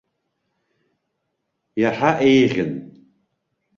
Иаҳа еиӷьын.